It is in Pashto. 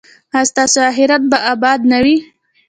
ایا ستاسو اخرت به اباد نه وي؟